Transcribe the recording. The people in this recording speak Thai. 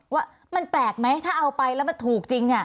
ว่ามันแปลกไหมถ้าเอาไปแล้วถูกจริง